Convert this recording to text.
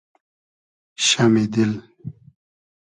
شئمی دیل